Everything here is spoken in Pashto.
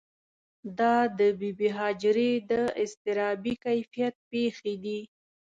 دا د بې بي هاجرې د اضطرابي کیفیت پېښې دي.